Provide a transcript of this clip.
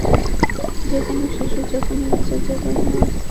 যেকোনো শিশু যখন ইচ্ছা যেকোনো সাইটে গিয়ে নিজের মনপছন্দ জিনিস দেখছে।